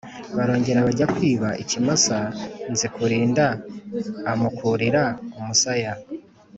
Barongera bajya kwiba, ikimasa, Nzikurinda amukurira umusaya